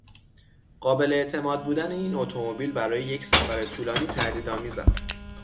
قابل اعتماد بودن این اتومبیل برای یک سفر طولانی تردیدآمیز است.